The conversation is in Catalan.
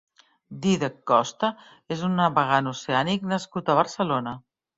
Dídac Costa és un navegant oceànic nascut a Barcelona.